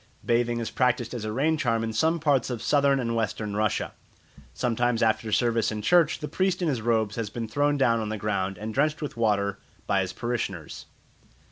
Bathing is practised as a rain charm in some parts of Southern and Western Russia. Sometimes after service in church the priest in his robes has been thrown down on the ground and drenched with water by his parishioners.